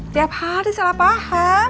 tiap hari salah paham